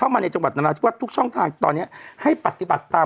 พลนแดนติดกัน